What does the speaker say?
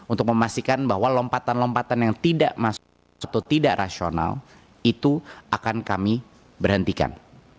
untuk memastikan bahwa lompatan lompatan yang tidak masuk atau tidak rasional itu akan kami berhentikan